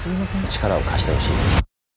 力を貸してほしい。